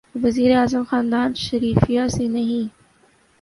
وزیر اعظم خاندان شریفیہ سے نہیں۔